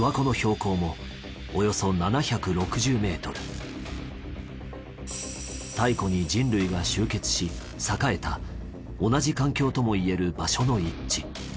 そして太古に人類が集結し栄えた同じ環境ともいえる場所の一致。